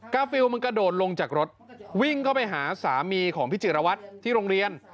ฟิลมันกระโดดลงจากรถวิ่งเข้าไปหาสามีของพี่จิรวัตรที่โรงเรียน